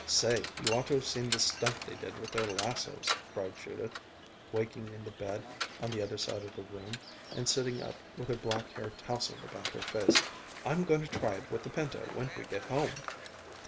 "Say, you ought to have seen the stunt they did with their lassos," cried Judith, waking in the bed on the other side of the room, and sitting up with her black hair tousled about her face. "I'm going to try it with the pinto when we get home."